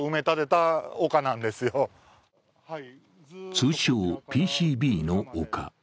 通称・ＰＣＢの丘。